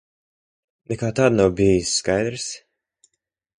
Nekā tāda nav bijis. Skaidrs?